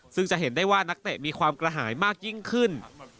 ซึ่งจะเห็นได้ว่านักเตะมีความกระหายมากยิ่งขึ้น